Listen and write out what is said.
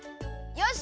よし！